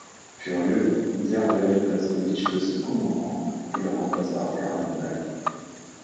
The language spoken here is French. Furieux, Hitler relève Blaskowitz de son commandement et le remplace par Hermann Balck.